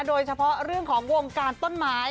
โดยเฉพาะเรื่องของวงการต้นไม้